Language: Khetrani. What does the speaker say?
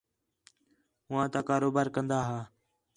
ہوآں تا کاروبار کندا ہا